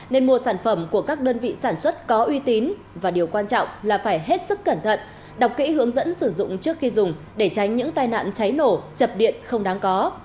nên mua sản phẩm của các đơn vị sản xuất có uy tín và điều quan trọng là phải hết sức cẩn thận đọc kỹ hướng dẫn sử dụng trước khi dùng để tránh những tai nạn cháy nổ chập điện không đáng có